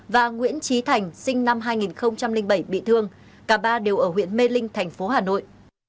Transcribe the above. và nguyễn trí thành sinh năm hai nghìn bảy bị thương cả ba đều ở huyện mê linh thành phố hà nội